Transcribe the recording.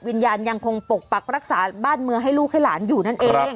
ยังคงปกปักรักษาบ้านเมืองให้ลูกให้หลานอยู่นั่นเอง